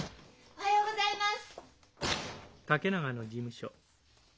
おはようございます。